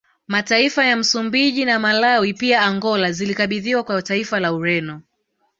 Mataifa ya Msumbiji na Malawi pia Angola zilikabidhiwa kwa taifa la Ureno